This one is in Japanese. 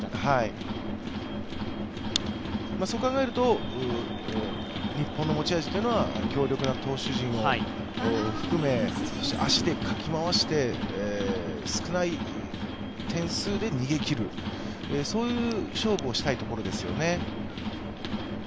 そう考えると日本の持ち味というのは強力な投手陣を含め足でかき回して、少ない点数で逃げきる、そういう勝負をしたいところですよね。